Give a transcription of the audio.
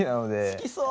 好きそう！